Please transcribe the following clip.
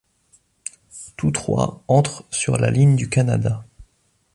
Tous trois entrent sur la ligne du Canada.